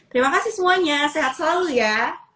terima kasih semuanya sehat selalu ya